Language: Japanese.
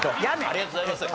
ありがとうございます。